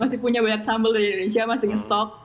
masih punya banyak sambel dari indonesia masih ngestok